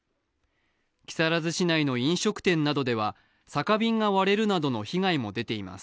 木更津市内の飲食店などでは酒瓶が割れるなどの被害も出ています。